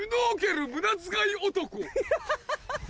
ハハハ！